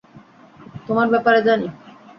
তোমার ব্যাপারে জানি।